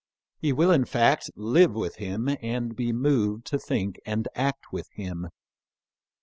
He will, in fact, live with him and be moved to think and act vii VIU PREFACE. with him.